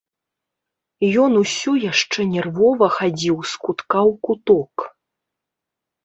Ён усё яшчэ нервова хадзіў з кутка ў куток.